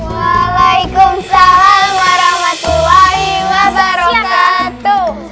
waalaikumsalam warahmatullahi wabarakatuh